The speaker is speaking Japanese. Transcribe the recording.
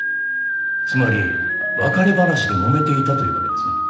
つまり別れ話で揉めていたというわけですね？